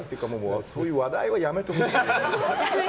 そういう話題はやめてほしい。